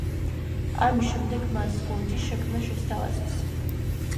ამის შემდეგ მას გუნდის შექმნა შესთავაზეს.